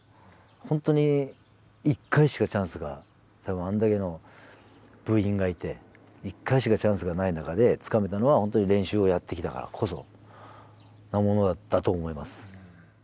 本当に１回しかチャンスが多分あんだけの部員がいて１回しかチャンスがない中でつかめたのは本当に練習をやってきたからこそのものだったと思います。